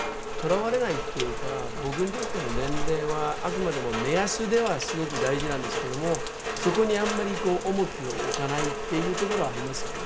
僕にとっての年齢はあくまでも目安ではすごく大事なんですけどもそこにあんまりこう重きを置かないっていうところはありますよね。